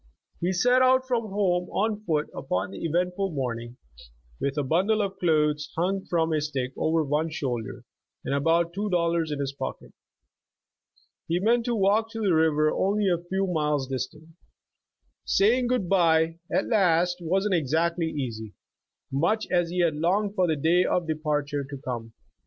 He set out from home on foot upon the eventful morning, with a bundle of clothes hung from a stick over one shoulder, and about two dollars in his pocket. He meant to walk to the river only a few miles dis tant. Saying good bye, at last, wasn't exactly easy, much as he had longed for the day of departure to come.